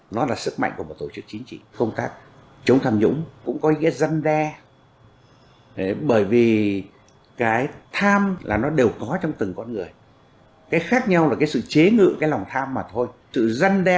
nó là sức mạnh của một tổ chức chính trị